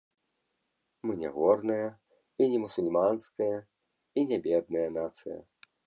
Мы не горная і не мусульманская і не бедная нацыя.